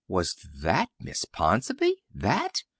Was that Miss Ponsonby that!